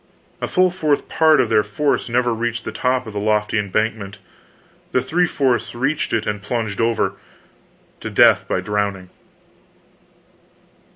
A full fourth part of their force never reached the top of the lofty embankment; the three fourths reached it and plunged over to death by drowning.